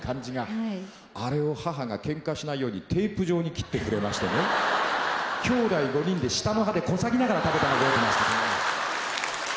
あれを母がけんかしないようにテープ状に切ってくれましてねきょうだい５人で下の歯でこさぎながら食べたの覚えてますね。